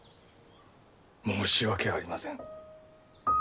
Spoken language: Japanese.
申し訳ありません。